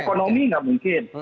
ekonomi tidak mungkin